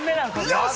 よし！